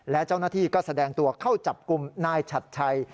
และเจ้าหน้าที่ก็แสดงตัวเข้าจับกลุ่มนายฉัดชัย